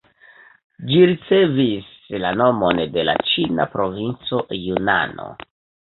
Ĝi ricevis la nomon de la ĉina provinco Junano.